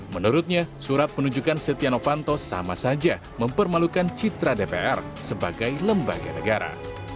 menurutnya surat penunjukan setia novanto sama saja mempermalukan citra dpr sebagai lembaga negara